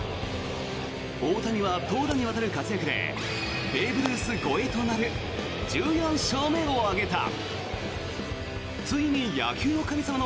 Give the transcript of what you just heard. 大谷は投打にわたる活躍でベーブ・ルース超えとなる１４勝目を挙げた。